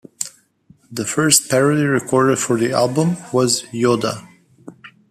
The first parody recorded for the album was "Yoda".